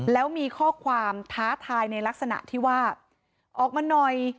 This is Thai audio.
แล้วมีข้อความท้าทายในลักษณะที่ว่าออกมาหน่อย